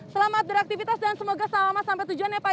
selamat beraktivitas dan semoga sama sampai tujuan ya pak